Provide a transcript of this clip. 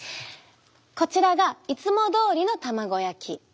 こちらがいつもどおりの卵焼き。